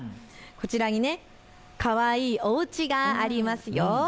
こちらにかわいいおうちがありますよ。